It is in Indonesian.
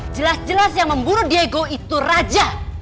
jelas jelas yang memburu diego itu raja